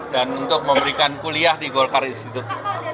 dan untuk memberikan kuliah di golkar istitut